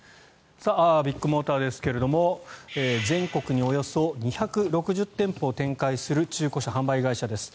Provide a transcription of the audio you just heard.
ビッグモーターですが全国におよそ２６０店舗を展開する中古車販売会社です。